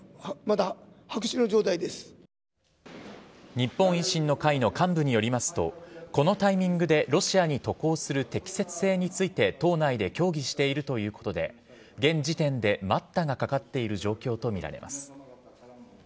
日本維新の会の幹部によりますとこのタイミングでロシアに渡航する適切性について党内で協議しているということで現時点で待ったがかかっている状況とみられます。